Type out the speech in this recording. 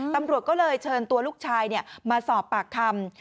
ตำรวจก็เลยเชิญตัวลูกชายมาสอบปากคำ